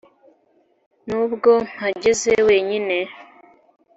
nubwo mpagaze wenyine.